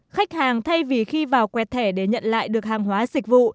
khách hàng thay vì khi vào quẹt thẻ để nhận lại được hàng hóa dịch vụ